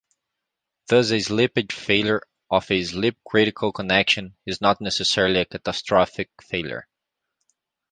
Thus a slippage failure of a slip-critical connection is not necessarily a catastrophic failure.